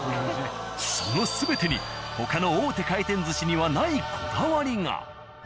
その全てに他の大手回転寿司にはないこだわりが！